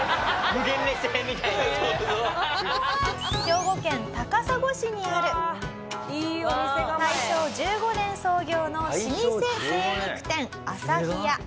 兵庫県高砂市にある大正１５年創業の老舗精肉店旭屋。